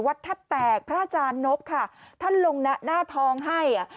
แทบแตกพระอาจารย์นบค่ะท่านลงหน้าทองให้อ่ะ